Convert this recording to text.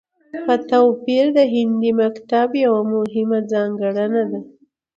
په توپير د هندي مکتب يوه مهمه ځانګړنه ده